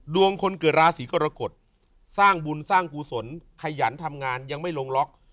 คนเกิดราศีกรกฎสร้างบุญสร้างกุศลขยันทำงานยังไม่ลงล็อก